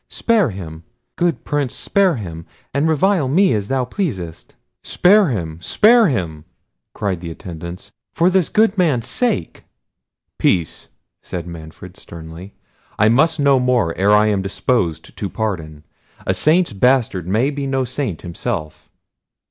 Spare him! good Prince! spare him! and revile me as thou pleasest." "Spare him! spare him!" cried the attendants; "for this good man's sake!" "Peace!" said Manfred, sternly. "I must know more ere I am disposed to pardon. A Saint's bastard may be no saint himself."